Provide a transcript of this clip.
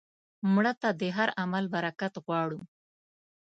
مړه ته د هر عمل برکت غواړو